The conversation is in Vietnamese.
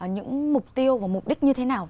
những mục tiêu và mục đích như thế nào